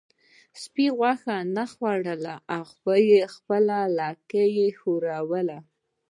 سپي غوښه نه خوړله او خپله لکۍ یې ښوروله.